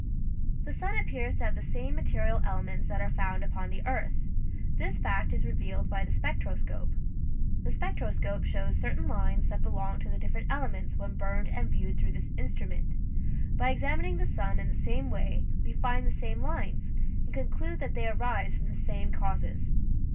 The sun appears to have the same material elements that are found upon the earth. This fact is revealed by the spectroscope. The {^\, Original from :{<~ UNIVERSITY OF WISCONSIN Gbe Sun's Have. 157 spectroscope shows certain lines that belong to the different elements when burned and viewed through this instrument. By examin ing the sun in the same way we find the same lines, and conclude that they arise from the same causes.